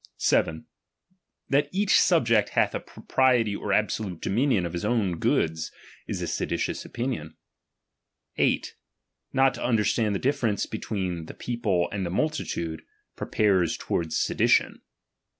7. That each subject katk a propriety or absolute ^otninion of his own goods is a seditious opinioa. 8> Not to Understand the ditference between the people and the multitude, prepares toward sedition.